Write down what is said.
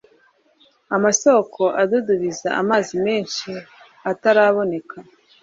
Amasōko adudubiza amazi menshi ataraboneka